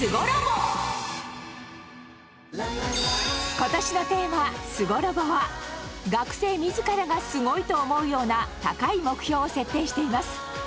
今年のテーマ「すごロボ」は学生自らが「すごい！」と思うような高い目標を設定しています。